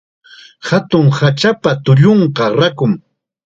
Hatun hachapa tullunqa rakum.